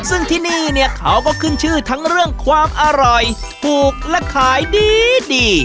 ซึ่งที่นี่เนี่ยเขาก็ขึ้นชื่อทั้งเรื่องความอร่อยถูกและขายดีดี